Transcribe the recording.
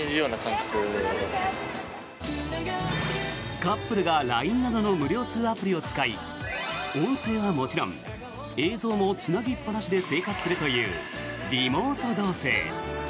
カップルがＬＩＮＥなどの無料通話アプリを使い音声はもちろん映像もつなぎっぱなしで生活するというリモート同棲。